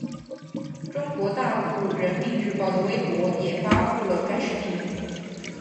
中国大陆人民日报的微博也发布了该视频。